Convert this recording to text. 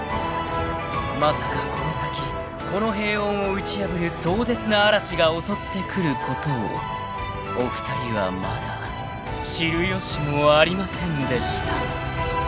［まさかこの先この平穏を打ち破る壮絶な嵐が襲ってくることをお二人はまだ知る由もありませんでした］